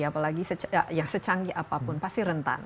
apalagi yang secanggih apapun pasti rentan